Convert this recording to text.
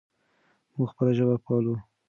موږ خپله ژبه پالو.